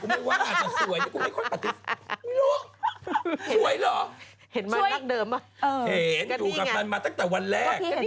ดูแลตัวเองหุ่นดีรูปร่างหน้าตา